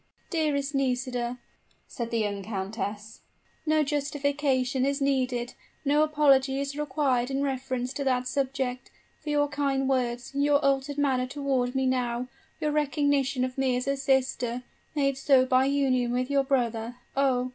"Dearest Nisida," said the young countess, "no justification is needed no apology is required in reference to that subject; for your kind words, your altered manner toward me now, your recognition of me as a sister, made so by union with your brother oh!